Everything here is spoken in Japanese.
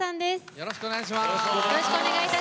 よろしくお願いします。